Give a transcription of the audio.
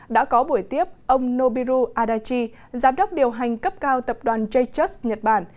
đã có buổi tiếp ông nobiru adachi giám đốc điều hành cấp cao tập đoàn j trust nhật bản